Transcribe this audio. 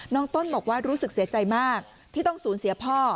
ต้นบอกว่ารู้สึกเสียใจมากที่ต้องสูญเสียพ่อ